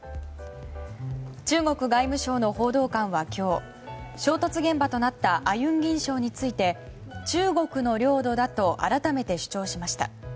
中国外務省の報道官は今日衝突現場となったアユンギン礁について中国の領土だと改めて主張しました。